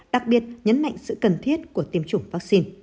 đặc biệt nhấn mạnh sự cần thiết của tiêm chủng vaccine